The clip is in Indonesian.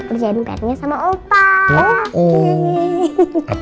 kerjaan pr nya sama opa